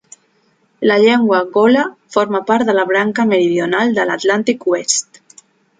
La llengua gola forma part de la branca meridional de l'Atlàntic Oest.